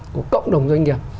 của cộng đồng doanh nghiệp